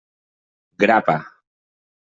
Grapa.